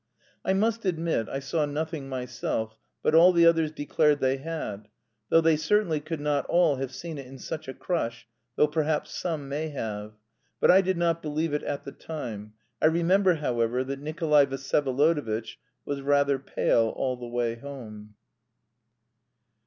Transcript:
I must admit I saw nothing myself, but all the others declared they had, though they certainly could not all have seen it in such a crush, though perhaps some may have. But I did not believe it at the time. I remember, however, that Nikolay Vsyevolodovitch was rather pale all the way home.